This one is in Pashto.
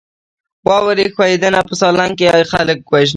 واورې ښویدنه په سالنګ کې خلک وژني؟